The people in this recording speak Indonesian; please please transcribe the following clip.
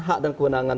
hak dan kewenangan